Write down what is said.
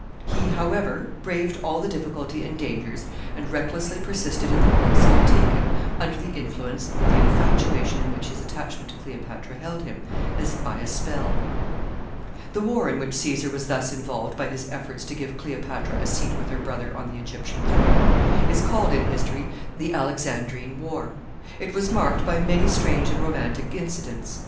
He, however, braved all the difficulty and dangers, and recklessly persisted in the course he had taken, under the influence of the infatuation in which his attachment to Cleopatra held him, as by a spell. [Sidenote: The Pharos.] [Sidenote: Great splendor of the Pharos.] The war in which Caesar was thus involved by his efforts to give Cleopatra a seat with her brother on the Egyptian throne, is called in history the Alexandrine war. It was marked by many strange and romantic incidents.